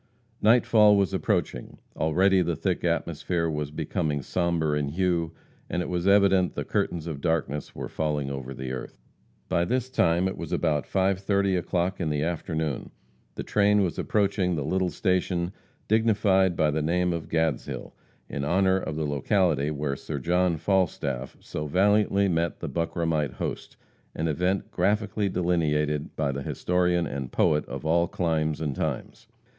Nightfall was approaching. Already the thick atmosphere was becoming sombre in hue, and it was evident the curtains of darkness were falling over the earth. By this time it was about 5:30 o'clock in the afternoon. The train was approaching the little station dignified by the name of Gadshill, in honor of the locality where Sir John Falstaff so valiantly met the Buckramite host, an event graphically delineated by the historian and poet of all climes and times.